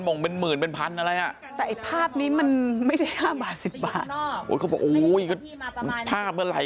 หมุนเป็นพันอะไรอ่ะแต่ภาพนี้มันไม่ใช่๕บาท๑๐บาทภาพอะไร